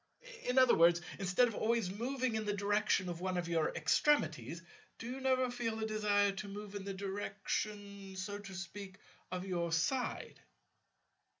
In other words, instead of always moving in the direction of one of your extremities, do you never feel a desire to move in the direction, so to speak, of your side?